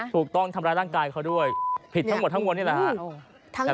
ถูกต้องทำร้ายร่างกายเขาด้วยผิดทั้งหมดทั้งมวลนี่แหละฮะ